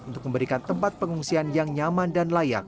untuk memberikan tempat pengungsian yang nyaman dan layak